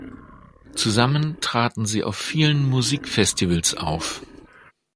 Zusammen traten sie auf vielen Musikfestivals auf.